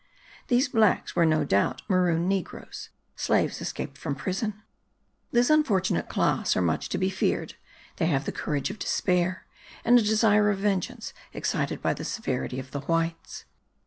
These blacks were no doubt maroon negroes: slaves escaped from prison. This unfortunate class are much to be feared: they have the courage of despair, and a desire of vengeance excited by the severity of the whites.